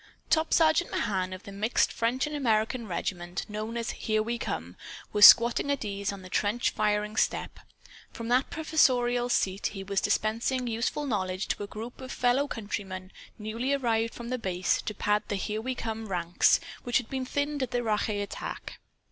Top Sergeant Mahan, of the mixed French and American regiment known as "Here We Come," was squatting at ease on the trench firing step. From that professorial seat he was dispensing useful knowledge to a group of fellow countrymen newly arrived from the base, to pad the "Here We Come" ranks, which had been thinned at the Rache attack.